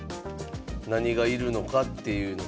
何が要るのかっていうのと。